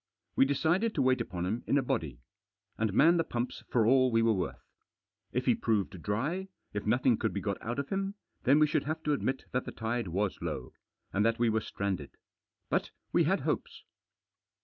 We decided to wait upon him in a body. And man the pumps for all we were worth. If he proved dry, if nothing could be got out of him, then we should have to admit that the tide was low. And that we were stranded. But we had hopes.